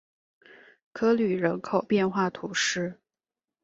科吕人口变化图示